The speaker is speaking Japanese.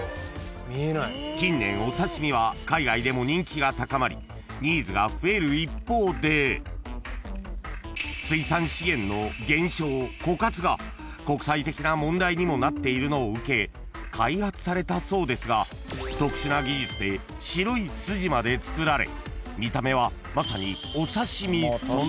［近年お刺し身は海外でも人気が高まりニーズが増える一方で水産資源の減少・枯渇が国際的な問題にもなっているのを受け開発されたそうですが特殊な技術で白い筋までつくられ見た目はまさに］